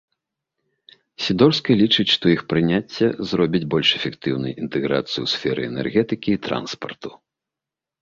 Сідорскі лічыць, што іх прыняцце зробіць больш эфектыўнай інтэграцыю ў сферы энергетыкі і транспарту.